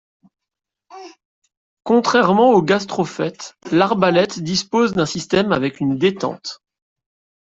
Contrairement au gastrophète, l'arbalète dispose d'un système avec une détente.